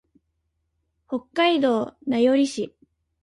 北海道名寄市